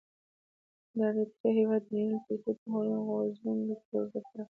د اریتریا هېواد د ریل پټلۍ د غزولو پروژه پیل کړه.